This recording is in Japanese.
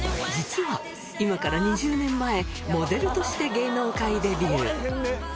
実は今から２０年前、モデルとして芸能界デビュー。